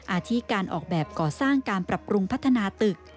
อาทิตการออกแบบก่อสร้างการปรับปรุงพัฒนาตึก